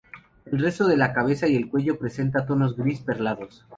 El resto de la cabeza y el cuello presenta tonos gris-perlados.